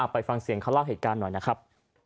ไปฟังเสียงเขาเล่าเหตุการณ์หน่อยนะครับ